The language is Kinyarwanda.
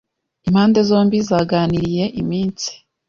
Impande zombi zaganiriye iminsi.